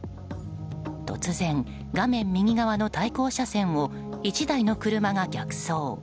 突然、画面右側の対向車線を１台の車が逆走。